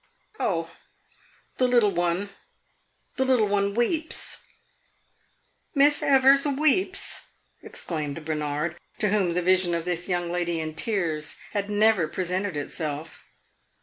"Oh, the little one the little one weeps." "Miss Evers weeps!" exclaimed Bernard, to whom the vision of this young lady in tears had never presented itself.